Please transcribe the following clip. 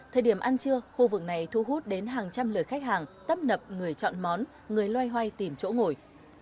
thời điểm ăn trưa khu vực này thu hút đến hàng trăm lời khách hàng tấp nập người chọn món người loay hoay tìm chỗ ngồi